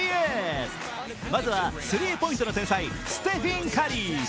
まずは、スリーポイントの天才、ステフィン・カリー。